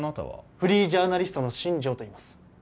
フリージャーナリストの新城といいます